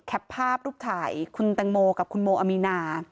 ภาพรูปถ่ายคุณแตงโมกับคุณโมอามีนา